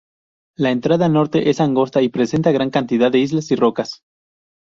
La entrada norte es angosta y presenta gran cantidad de islas y rocas.